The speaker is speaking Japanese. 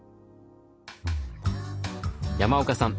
山岡さん